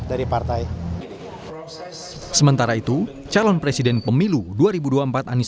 sampai jumpa di depan partai